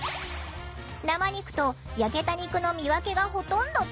生肉と焼けた肉の見分けがほとんどつかない。